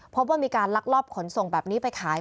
พบว่ามีการลักลอบขนส่งแบบนี้ไปขาย